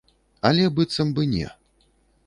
Але быццам бы не.